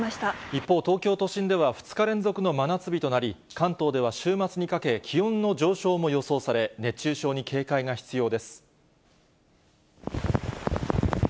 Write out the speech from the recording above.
一方、東京都心では２日連続の真夏日となり、関東では週末にかけ、気温の上昇も予想され、熱中症に警戒が必要です。